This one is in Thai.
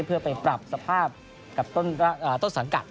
เพื่อไปปรับสภาพกับต้นสังกัด